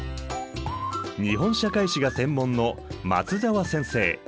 日本社会史が専門の松沢先生。